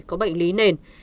có bệnh lý nền